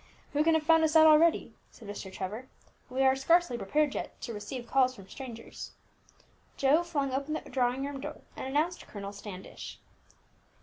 "Who can have found us out already?" said Mr. Trevor. "We are scarcely prepared yet to receive calls from strangers." Joe flung open the drawing room door, and announced Colonel Standish.